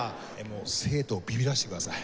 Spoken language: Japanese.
生徒をビビらせてください。